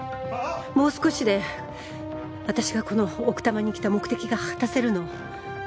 もう少しで私がこの奥多摩に来た目的が果たせるの。